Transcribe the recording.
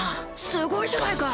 すごいじゃないか！